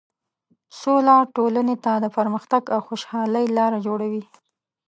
سوله ټولنې ته د پرمختګ او خوشحالۍ لاره جوړوي.